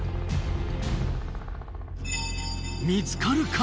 見つかるか？